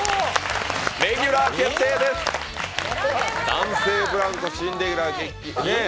男性ブランコ、新レギュラー。